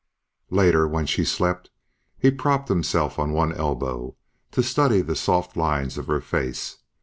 Later, when she slept, he propped himself on one elbow to study the soft lines of her face.